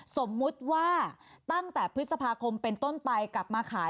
สมมุติว่าตั้งแต่พฤษภาคมเป็นต้นไปกลับมาขาย